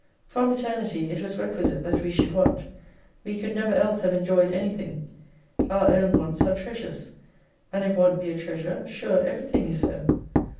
From Eternity it was requisite that we should want. We could never else have enjoyed anything : Our own wants are treasures. And if want be a treasure, sure everything is so.